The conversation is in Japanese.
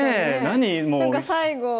何か最後。